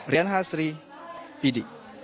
rian hasri pd